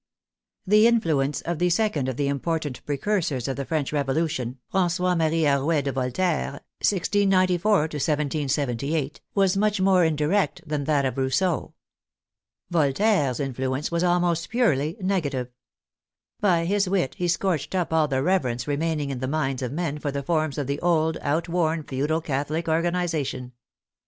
The influence of the second of the important precur sors of the French Revolution, Frangois Marie Arouet de Voltaire (1694 1778), was much more indirect than that of Rousseau. Voltaire's influence was almost purely 4 THE FRENCH REVOLUTION negative. By his wit he scorched up all the reverence remaining in the minds of men for the forms of the old, outworn Feudal Catholic organization.